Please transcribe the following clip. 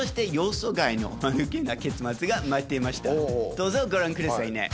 どうぞご覧くださいね。